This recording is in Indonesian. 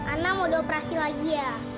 anang mau dioperasi lagi ya